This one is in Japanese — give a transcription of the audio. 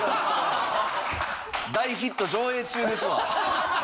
大ヒット上映中ですわ。